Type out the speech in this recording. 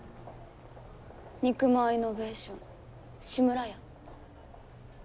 肉まんイノベーション志村屋。